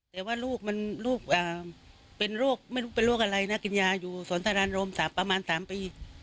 แต่ว่าลูกเป็นลูกอะไรนะกินยาอยู่สวรรค์สรานโรมประมาณ๓ปี